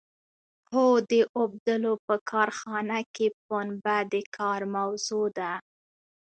هو د اوبدلو په کارخانه کې پنبه د کار موضوع ده.